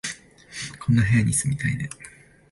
こんな部屋に住みたいね